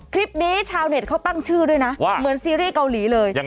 คลิปนี้ชาวเน็ตเขาตั้งชื่อด้วยนะว่าเหมือนซีรีส์เกาหลีเลย